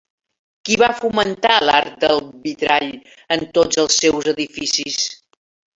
Qui va fomentar l'art del vitrall en tots els seus edificis?